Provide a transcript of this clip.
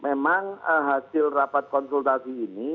memang hasil rapat konsultasi ini